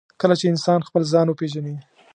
کله چې انسان خپل ځان وپېژني.